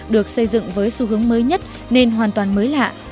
được xây dựng với xu hướng mới nhất nên hoàn toàn mới lạ